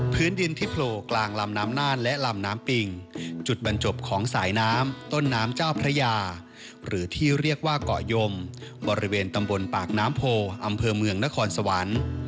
ดินที่โผล่กลางลำน้ำน่านและลำน้ำปิงจุดบรรจบของสายน้ำต้นน้ำเจ้าพระยาหรือที่เรียกว่าเกาะยมบริเวณตำบลปากน้ำโพอำเภอเมืองนครสวรรค์